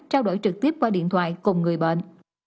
trao đổi trực tiếp qua điện thoại cùng người bệnh